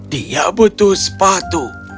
dia butuh sepatu